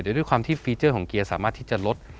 ด้วยความที่ฟีเจอร์ของเกียร์สามารถที่จะลด